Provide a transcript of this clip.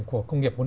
của công nghiệp bốn